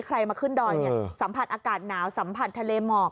มาขึ้นดอยสัมผัสอากาศหนาวสัมผัสทะเลหมอก